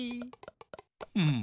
うん。